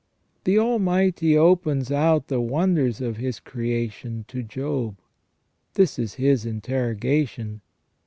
The Almighty opens out the wonders of His creation to Job. This is His interrogation.